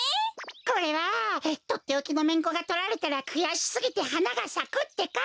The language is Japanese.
これはとっておきのめんこがとられたらくやしすぎてはながさくってか！